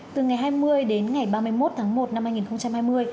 từ ngày hai mươi đến ngày ba mươi một tháng một năm hai nghìn hai mươi